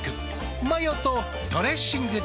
マヨとドレッシングで。